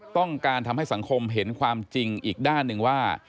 ต้องการทำให้สังคมเห็นความจริงอีกด้านหนึ่งว่า